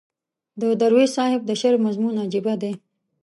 د درویش صاحب د شعر مضمون عجیبه دی.